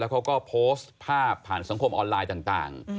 เขาก็โพสต์ภาพผ่านสังคมออนไลน์ต่าง